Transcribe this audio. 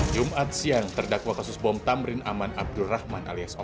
jumat siang terdakwa kasus bom tamrin aman abdurrahman alias oman